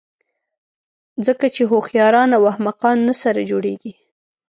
ځکه چې هوښیاران او احمقان نه سره جوړېږي.